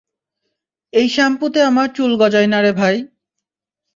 এই শ্যাম্পুতে আমার চুল গজায় নারে ভাই।